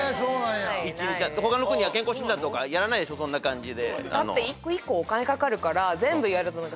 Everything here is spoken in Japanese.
他の国は健康診断とかやらないでしょ、そんな感じで。